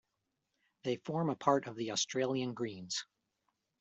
They form a part of the Australian Greens.